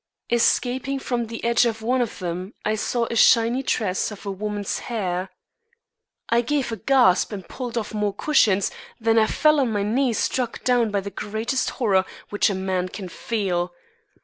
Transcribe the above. Escaping from the edge of one of them I saw a shiny tress of woman's hair. I gave a gasp and pulled off more cushions, then I fell on my knees, struck down by the greatest horror which a man can feel.